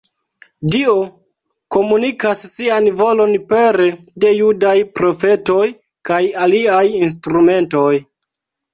Dio komunikas sian volon pere de judaj profetoj kaj aliaj instrumentoj.